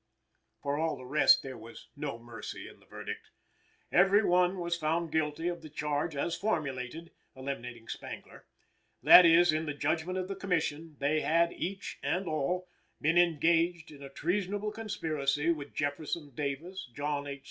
For all the rest there was no mercy in the verdict. Every one was found guilty of the charge as formulated (eliminating Spangler); that is, in the judgment of the Commission, they had, each and all, been engaged in a treasonable conspiracy with Jefferson Davis, John H.